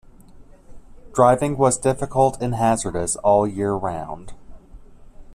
Driving was difficult and hazardous all year round.